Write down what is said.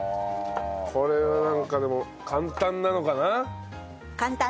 これはなんかでも簡単なのかな？